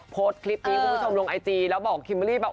โพสต์คลิปนี้คุณผู้ชมลงไอจีแล้วบอกคิมเบอร์รี่บอก